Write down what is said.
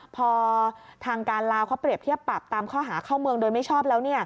พอทางการลาวเขาเปรียบเทียบปรับตามข้อหาเข้าเมืองโดยไม่ชอบแล้ว